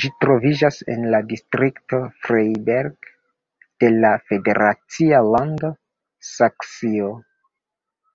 Ĝi troviĝas en la distrikto Freiberg de la federacia lando Saksio.